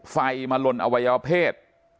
ไฟมาลลนอวัยพฤษ